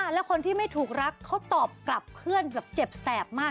แล้วคนที่ไม่ถูกรักเขาตอบกลับเพื่อนแบบเจ็บแสบมาก